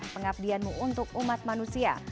pengabdianmu untuk umat manusia